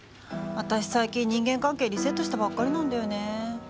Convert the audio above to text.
私最近人間関係リセットしたばっかりなんだよね。